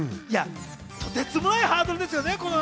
とてつもないハードルですよね。